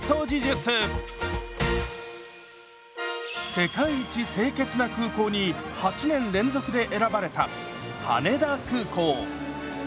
「世界一清潔な空港」に８年連続で選ばれた羽田空港。